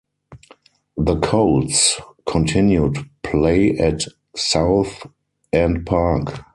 The Colts continued play at South End Park.